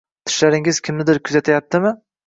- Tishlaringiz kimnidir kutyaptimi?